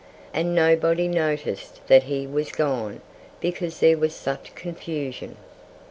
And nobody noticed that he was gone, because there was such confusion.